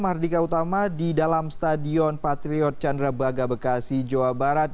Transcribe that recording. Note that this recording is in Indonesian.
ketika utama di dalam stadion patriot candra bagai bekasi jawa barat